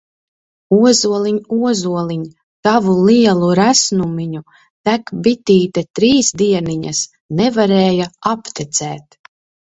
Ozoliņ, ozoliņ, Tavu lielu resnumiņu! Tek bitīte trīs dieniņas, Nevarēja aptecēt!